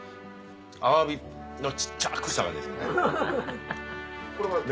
アワビの小っちゃくした感じですよね。